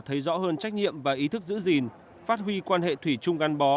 thấy rõ hơn trách nhiệm và ý thức giữ gìn phát huy quan hệ thủy chung gắn bó